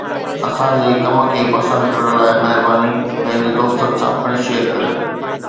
اسان جي ڪم کي پسند ڪرڻ لاء مهرباني! پنهنجي دوستن سان پڻ شيئر ڪريو.